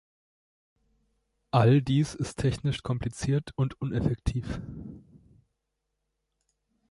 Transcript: All dies ist technisch kompliziert und uneffektiv.